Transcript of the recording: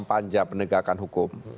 panja penegakan hukum